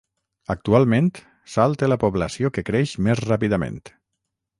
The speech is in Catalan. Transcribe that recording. Actualment, Sal té la població que creix més ràpidament.